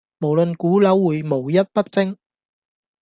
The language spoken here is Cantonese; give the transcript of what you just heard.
無論股樓匯無一不精